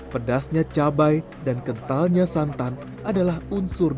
pedasnya cabai dan kentalnya santan adalah masakan yang paling penting